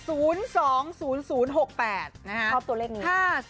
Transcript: อันนี้ก็ชอบ